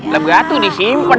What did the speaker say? lebih gatu disimpen